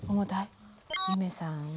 夢さんは？